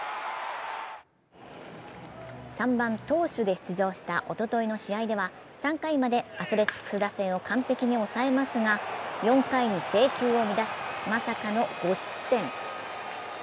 ３番・投手で出場したおとといの試合では３回までアスレチックス打線を完璧に抑えますが４回に制球を乱し、まさかの５失点。